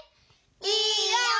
いいよ！